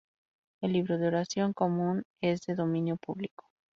El Libro de Oración Común es de dominio público.